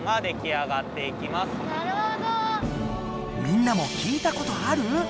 みんなも聞いたことある？